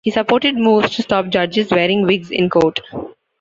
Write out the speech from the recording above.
He supported moves to stop Judges wearing wigs in court.